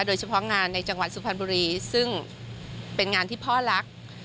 โดยเฉพาะงานในจังหวัดสุพรรณบุรีซึ่งเป็นงานที่พ่อรัก